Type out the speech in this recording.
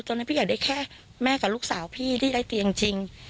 พี่อยากได้แค่แม่กับลูกสาวพี่ที่ได้เตียงจริง